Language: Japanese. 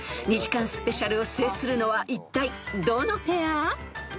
［２時間スペシャルを制するのはいったいどのペア？］